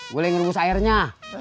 gue lagi ngerus airnya